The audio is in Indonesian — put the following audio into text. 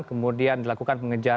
kemudian dilakukan penangkapan